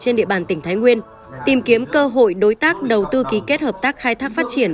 trên địa bàn tỉnh thái nguyên tìm kiếm cơ hội đối tác đầu tư ký kết hợp tác khai thác phát triển